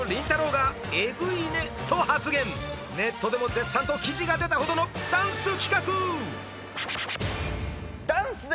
が「エグいね」と発言ネットでも絶賛と記事が出たほどのダンス企画！